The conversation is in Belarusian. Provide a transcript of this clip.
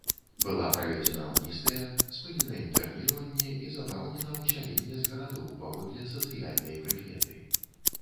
Была праведзена амністыя, спынена інтэрніраванне і забаронена высяленне з гарадоў паводле сацыяльнай прыкметы.